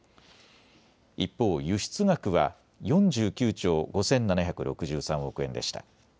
一方、輸出額は４９兆５７６３億円でした。